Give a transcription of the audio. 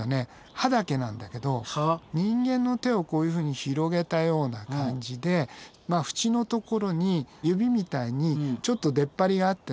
歯だけなんだけど人間の手をこういうふうに広げたような感じでふちのところに指みたいにちょっと出っ張りがあってね。